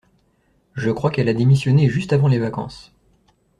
Je crois qu'elle a démissionné juste avant les vacances.